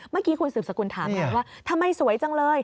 เมื่อกี้คุณสืบสกุลถามไงว่าทำไมสวยจังเลย